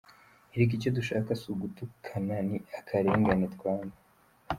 Erega icyo dushaka si ugutukana ni akarengane twanga.